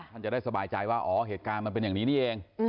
จะได้สบายใจว่าอ๋อเหตุการณ์มันเป็นอย่างนี้นี่เอง